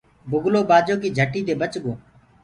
بُگلو بآجو ڪي جھٽي دي بچ گوتو۔